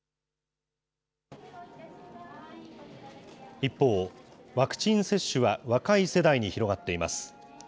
一方、ワクチン接種は若い世代に広がっています。